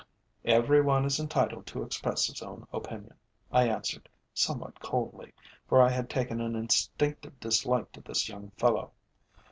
"Every one is entitled to express his own opinion," I answered, somewhat coldly, for I had taken an instinctive dislike to this young fellow.